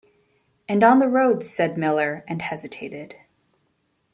"And on the roads," said Miller, and hesitated.